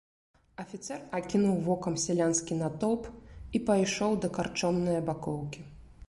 Афіцэр акінуў вокам сялянскі натоўп і пайшоў да карчомнае бакоўкі.